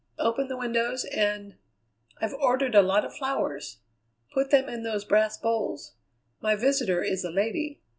open the windows, and I've ordered a lot of flowers. Put them in those brass bowls. My visitor is a lady.